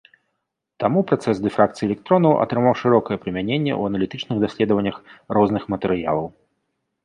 Таму працэс дыфракцыі электронаў атрымаў шырокае прымяненне ў аналітычных даследаваннях розных матэрыялаў.